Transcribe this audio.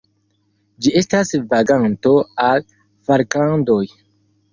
Ĝi estas vaganto al Falklandoj.